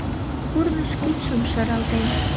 Курныж кӱчшым шаралтен